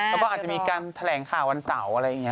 แล้วก็อาจจะมีการแถลงข่าววันเสาร์อะไรอย่างนี้